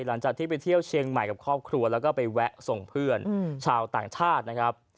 หลังจากที่ไปเที่ยวเชียงใหม่กับครอบครัวแล้วก็ไปแวะส่งเพื่อนชาวต่างชาตินะครับ